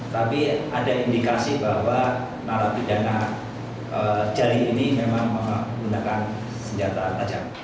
tapi ada indikasi bahwa narapidana jari ini memang menggunakan senjata tajam